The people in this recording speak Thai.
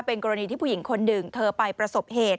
เป็นกรณีที่ผู้หญิงคนหนึ่งเธอไปประสบเหตุ